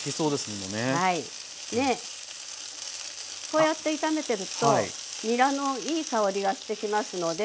こうやって炒めてるとにらのいい香りがしてきますので。